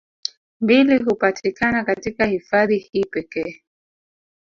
Mbili hupatikana katika hifadhi hii pekee